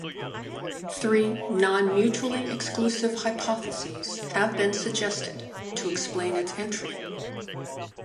Three nonmutually exclusive hypotheses have been suggested to explain its entry.